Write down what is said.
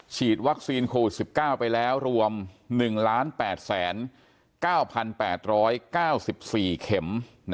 ฉีดวัคซีนโควิด๑๙ไปแล้วรวม๑๘๙๘๙๔เข็ม